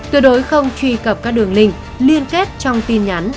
tuyệt đối không truy cập các đường link liên kết trong tin nhắn